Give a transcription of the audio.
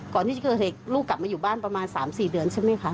ก่อนที่จะเกิดเหตุลูกกลับมาอยู่บ้านประมาณ๓๔เดือนใช่ไหมคะ